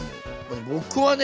僕はね